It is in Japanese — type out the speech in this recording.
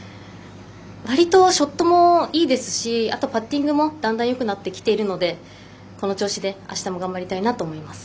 割とショットもいいですしあと、パッティングもだんだんよくなってきているのでこの調子であしたも頑張りたいなと思います。